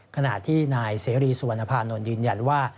ขณะที่นายเสรีสุวรรณภานนท์ยืนยันว่า